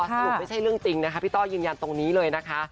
สรุปไม่ใช่เรื่องจริงนะคะพี่ต้อยยืนยันตรงนี้เลยนะคะ